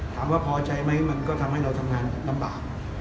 ถามว่าพอใช้ไหมมันก็ทำให้เราทำงานลำบาก